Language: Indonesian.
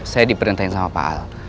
saya diperintahkan sama pak al